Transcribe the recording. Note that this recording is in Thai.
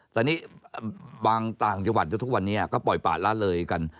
แต่นี่บางต่างจังหวัดทุกวันนี้ก็ปล่อยป่าละเลยกัน